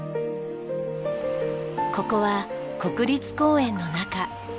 ここは国立公園の中。